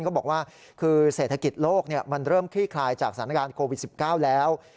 ก็บอกว่าคือเศรษฐกิจโลกมันเริ่มคลี่คลายจากสถานการณ์โควิด๑๙แล้ว